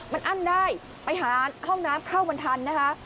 มันอั้นได้ไปหาห้องน้ำเข้ามันทันนะคะ